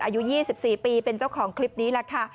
อายุ๒๔ปีเป็นเจ้าของคลิปนี้แหละค่ะ